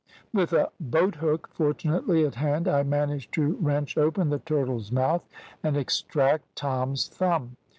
With a boathook, fortunately at hand, I managed to wrench open the turtle's mouth and extract Tom's thumb.